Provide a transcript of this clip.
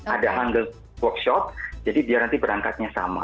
ada hungle workshop jadi dia nanti berangkatnya sama